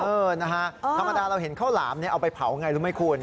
เออนะฮะธรรมดาเราเห็นข้าวหลามเอาไปเผาไงรู้ไหมคุณ